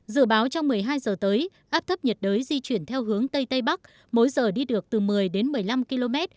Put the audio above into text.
dự báo trong một mươi hai giờ tới áp thấp nhiệt đới di chuyển theo hướng tây tây bắc mỗi giờ đi được từ một mươi đến một mươi năm km